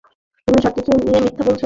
তুমি সব কিছু নিয়ে মিথ্যা বলেছ।